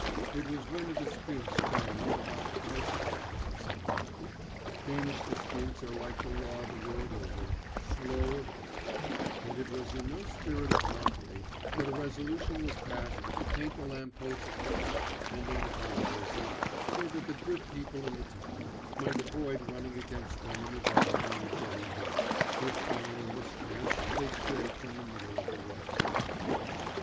It was when a dispute sprang up about the price of gas, or something. Danish disputes are like the law the world over, slow of gait; and it was in no spirit of mockery that a resolution was passed to paint the lamp posts white, pending the controversy, so that the good people in the town might avoid running against them in the dark and getting hurt, if by any mischance they strayed from the middle of the road.